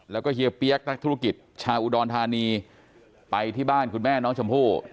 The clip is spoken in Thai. แล้วก็เฮียเปี๊ยกนักธุรกิจชาวอุดรธานีไปที่บ้านคุณแม่น้องชมพู่